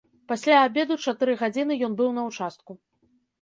Пасля абеду чатыры гадзіны ён быў на ўчастку.